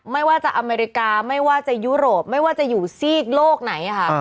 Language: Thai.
ไม่ว่าจะอเมริกาไม่ว่าจะยุโรปไม่ว่าจะอยู่ซีกโลกไหนค่ะ